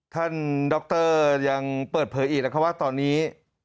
ท่านดรยังเปิดเผยอีกนะคะว่าตอนนี้